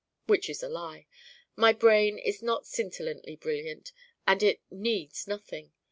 Which is a lie. My brain is not scintillantly brilliant and it 'needs' nothing.